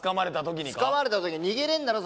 つかまれたとき逃げれんだろ